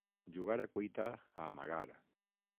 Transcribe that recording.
Jugar a cuita a amagar.